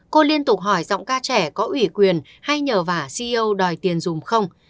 cô liên tục hỏi giọng ca trẻ có ủy quyền hay nhờ vả ceo đòi tiền dùng không